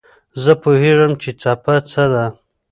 زه پوهېږم چې څپه څه ده.